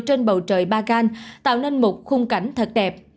trên bầu trời bagan tạo nên một khung cảnh thật đẹp